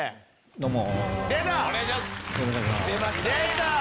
どうも。